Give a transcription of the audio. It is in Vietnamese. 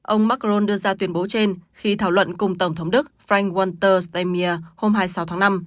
ông macron đưa ra tuyên bố trên khi thảo luận cùng tổng thống đức frank walter stemia hôm hai mươi sáu tháng năm